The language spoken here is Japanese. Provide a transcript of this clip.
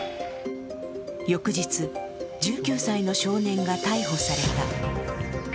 翌日１９歳の少年が逮捕された。